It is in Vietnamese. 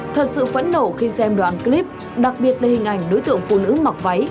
thật sự phẫn nổ khi xem đoạn clip đặc biệt là hình ảnh đối tượng phụ nữ mặc váy